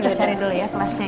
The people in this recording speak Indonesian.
kita cari dulu ya kelasnya